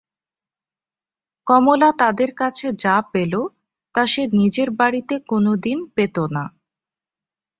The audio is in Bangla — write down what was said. কমলা তাদের কাছে যা পেল তা সে নিজের বাড়িতে কোনোদিন পেত না।